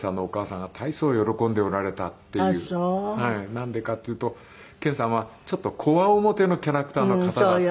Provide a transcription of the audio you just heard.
なんでかっていうと健さんはちょっとこわ面のキャラクターの方だった。